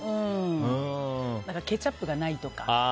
ケチャップがないとか。